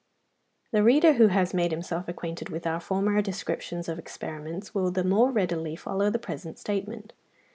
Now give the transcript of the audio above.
The reader who has made himself acquainted with our former descriptions of experiments (80) will the more readily follow the present statement.